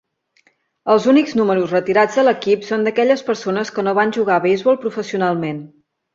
Els únics números retirats de l'equip són d'aquelles persones que no van jugar a beisbol professionalment.